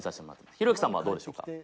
ひろゆきさんはどうでしょうか。